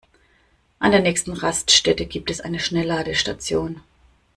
An der nächsten Raststätte gibt es eine Schnellladestation.